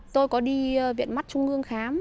tôi có đi viện mắt trung ương khám